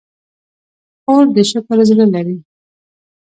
خور د شکر زړه لري.